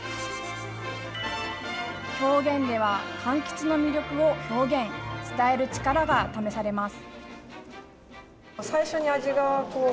表現では、かんきつの魅力を表現、伝える力が試されます。